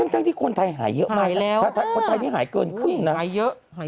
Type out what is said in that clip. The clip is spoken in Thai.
ทั้งที่คนไทยหายเยอะมากคนไทยนี่หายเกินครึ่งนะหายเยอะ